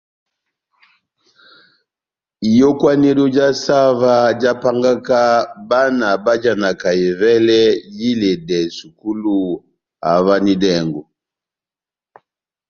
Iyókwanedo já saha óvah jahápángaka bána bájanaka evɛlɛ yá iledɛ sukulu havanidɛngo.